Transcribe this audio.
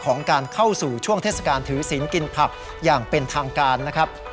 ของการเข้าสู่ช่วงเทศกาลถือศีลกินผักอย่างเป็นทางการนะครับ